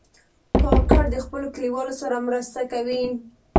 کاکړ د خپلو کلیوالو سره مرسته کوي.